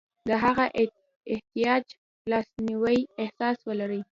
د هغه احتیاج او لاسنیوي احساس ولري.